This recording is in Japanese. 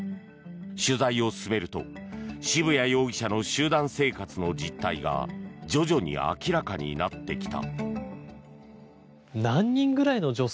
取材を進めると渋谷容疑者の集団生活の実態が徐々に明らかになってきた。